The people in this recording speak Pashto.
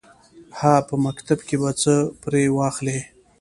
_هه! په مکتب کې به څه پرې واخلې.